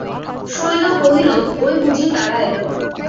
শৈল কহিল, ঐ বুঝি তারা এল।